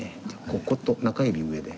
ここと中指上で。